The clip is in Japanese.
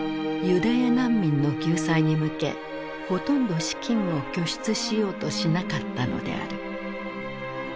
ユダヤ難民の救済に向けほとんど資金を拠出しようとしなかったのである。